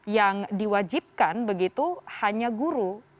yang diwajibkan begitu hanya guru